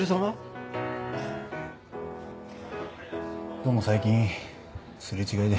どうも最近擦れ違いで。